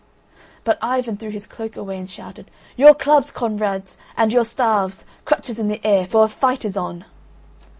But Ivan threw his cloak away and shouted: "Your clubs, comrades, and your staves! Crutches in the air—for a fight is on!"